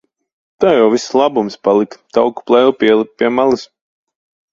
Tev jau viss labums palika. Tauku plēve pielipa pie malas.